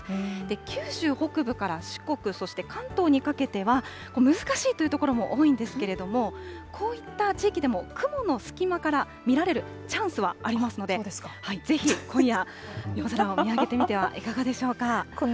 九州北部から四国、そして関東にかけては、難しいという所も多いんですけれども、こういった地域でも、雲の隙間から見られるチャンスはありますので、ぜひ今夜、夜空を見上げてみてはいかがでしょうか。